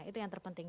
itu yang terpenting